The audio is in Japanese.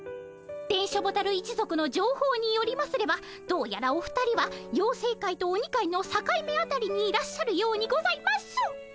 電書ボタル一族のじょうほうによりますればどうやらお二人はようせい界と鬼界のさかい目あたりにいらっしゃるようにございます。